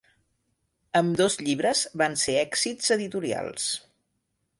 Ambdós llibres van ser èxits editorials.